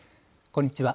こんにちは。